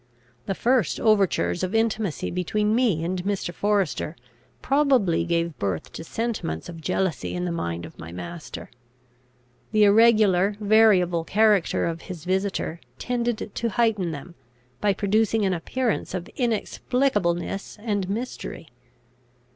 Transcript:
The first overtures of intimacy between me and Mr. Forester probably gave birth to sentiments of jealousy in the mind of my master. The irregular, variable character of his visitor tended to heighten them, by producing an appearance of inexplicableness and mystery.